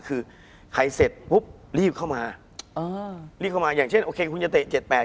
คุณผู้ชมบางท่าอาจจะไม่เข้าใจที่พิเตียร์สาร